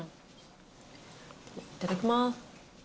いただきます。